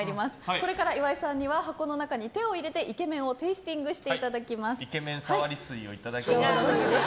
これから岩井さんには箱の中に手を入れて、イケメンをイケメン触り水をいただきます。